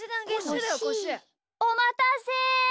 おまたせ。